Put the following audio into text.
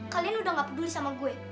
kalian udah gak peduli sama gue